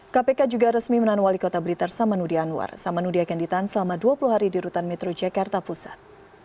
kpk juga resmi menahan wali kota blitar samanudi anwar samanudi akan ditahan selama dua puluh hari di rutan metro jakarta pusat